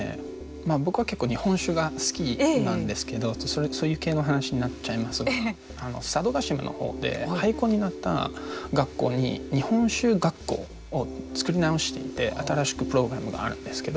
僕は結構日本酒が好きなんですけどそういう系の話になっちゃいますが佐渡島の方で廃校になった学校に日本酒学校を作り直していて新しくプログラムがあるんですけど。